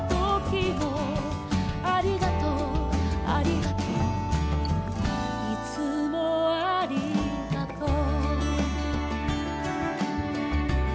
「ありがとうありがとう」「いつもありがとう」